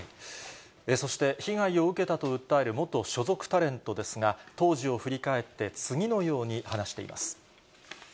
そして、被害を受けたと訴える元所属タレントですが、当時を振り返って、次のように話しています。